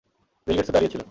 বিল গেটসও দাঁড়িয়ে ছিল।